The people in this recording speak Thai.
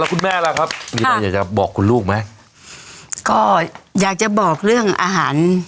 เอาละคุณแม่แล้วครับครับอยากจะบอกคุณลูกไหมก็อยากจะบอกเรื่องอาหาร